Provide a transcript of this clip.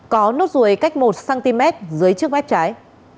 có nốt ruồi cách một cm dưới trước mép trái